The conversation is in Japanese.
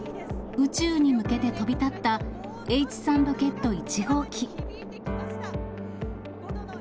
宇宙に向けて飛び立ったＨ３ロケット１号機。